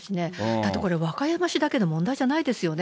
だって、これは和歌山市だけの問題じゃないですよね。